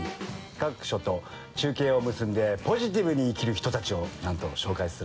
各所と中継を結んでポジティブに生きる人たちをなんと紹介するんですね。